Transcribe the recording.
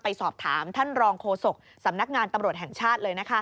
สอบถามท่านรองโฆษกสำนักงานตำรวจแห่งชาติเลยนะคะ